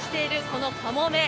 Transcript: このかもめ。